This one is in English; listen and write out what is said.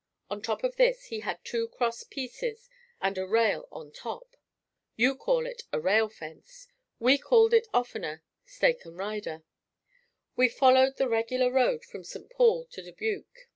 On top of this he had two cross pieces and a rail on top. You call it a rail fence. We called it oftener "stake and rider." We followed the regular road from St. Paul to Dubuque.